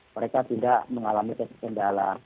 mereka tidak mengalami kesendala